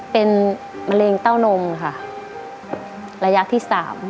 เป็นมะเร็งเต้านมค่ะระยะที่๓